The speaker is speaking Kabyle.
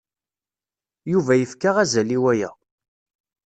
Yuba yefka azal i waya.